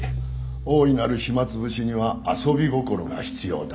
大いなる暇潰しには遊び心が必要だ。